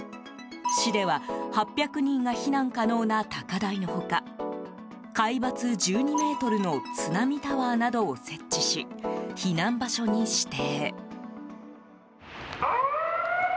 市では８００人が避難可能な高台の他海抜１２ｍの津波タワーなどを設置し避難場所に指定。